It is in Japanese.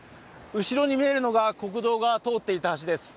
後ろに見えるのが国道が通っていた橋です。